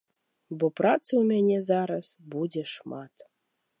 Бо працы ў мяне зараз будзе шмат.